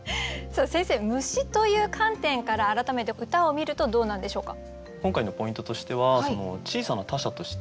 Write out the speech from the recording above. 先生「虫」という観点から改めて歌を見るとどうなんでしょうか？